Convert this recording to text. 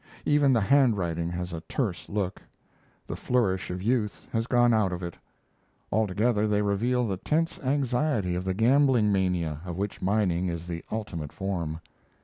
Even the handwriting has a terse look; the flourish of youth has gone out of it. Altogether they reveal the tense anxiety of the gambling mania of which mining is the ultimate form.